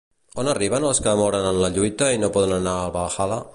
On arriben els que moren en la lluita i no poden anar al Valhalla?